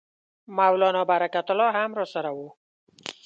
مولنا برکت الله هم راسره وو.